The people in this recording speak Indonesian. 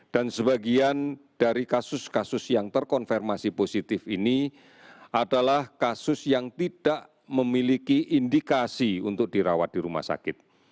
dan sebagian dari kasus kasus yang terkonfirmasi positif ini adalah kasus yang tidak memiliki indikasi untuk dirawat di rumah sakit